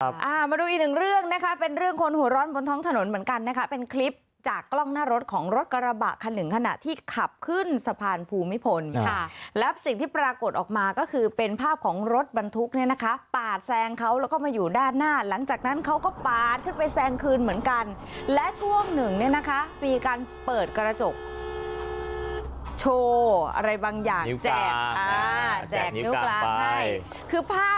มาดูอีกหนึ่งเรื่องนะคะเป็นเรื่องคนหัวร้อนบนท้องถนนเหมือนกันนะคะเป็นคลิปจากกล้องหน้ารถของรถกระบะคันหนึ่งขณะที่ขับขึ้นสะพานภูมิพลค่ะแล้วสิ่งที่ปรากฏออกมาก็คือเป็นภาพของรถบรรทุกเนี่ยนะคะปาดแซงเขาแล้วก็มาอยู่ด้านหน้าหลังจากนั้นเขาก็ปาดขึ้นไปแซงคืนเหมือนกันและช่วงหนึ่งเนี่ยนะคะมีการเปิดกระจกโชว์อะไรบางอย่างแจกอ่าแจกนิ้วกลางให้คือภาพ